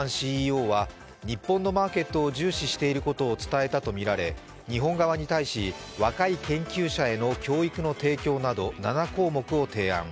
アルトマンＣＥＯは日本のマーケットを重視していることをつたえたとみられ、日本側に対し、若い研究者への教育提供などの７項目を提案。